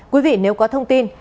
quý vị nếu có thông tin